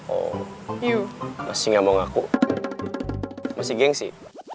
oh masih gak mau ngaku masih geng sih